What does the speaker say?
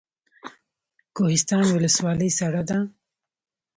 کوهستان ولسوالۍ سړه ده؟